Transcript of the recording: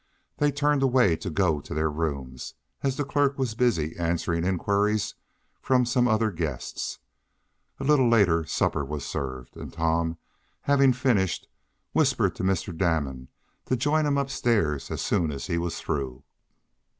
They turned away to go to their rooms, as the clerk was busy answering inquiries from some other guests. A little later, supper was served, and Tom, having finished, whispered to Mr. Damon to join him upstairs as soon as he was through.